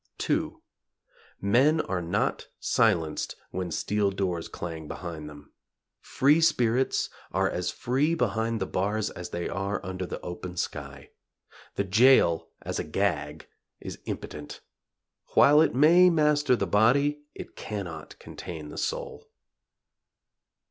2. Men are not silenced when steel doors clang behind them. Free spirits are as free behind the bars as they are under the open sky. The jail, as a gag, is impotent. While it may master the body, it cannot contain the soul.